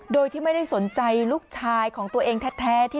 โดยที่ไม่ได้สนใจลูกชายของตัวเองแท้ที่